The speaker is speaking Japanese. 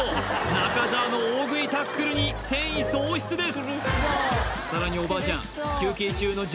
中澤の大食いタックルに戦意喪失です